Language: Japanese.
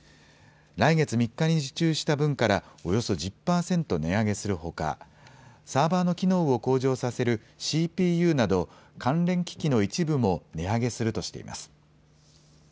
来月３日に受注した分からおよそ１０％値上げするほかサーバーの機能を向上させるＣＰＵなど関連機器の一部も値上げするとしています。